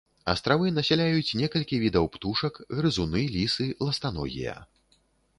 Астравы насяляюць некалькі відаў птушак, грызуны, лісы, ластаногія.